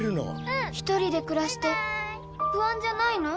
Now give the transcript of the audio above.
一人で暮らして不安じゃないの？